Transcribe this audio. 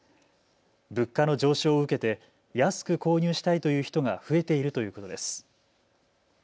物価の上昇を受けて安く購入したいという人が増えているということです。